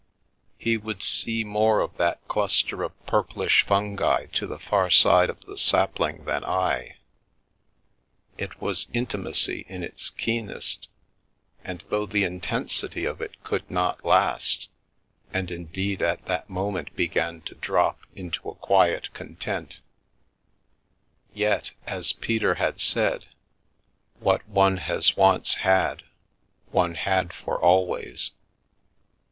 He would see more of that cluster of purplish fungi to the far side of the sapling than I — it was intimacy in its keenest, and though the intensity of it could not last, and indeed at that moment began to drop into a quiet content, yet, as Peter had said, what one has once had one had for always.